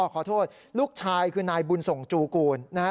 ขอโทษลูกชายคือนายบุญส่งจูกูลนะฮะ